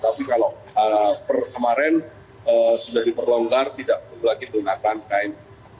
tapi kalau kemarin sudah diperlonggar tidak perlu lagi menggunakan kain